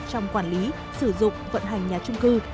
trong quản lý sử dụng vận hành nhà trung cư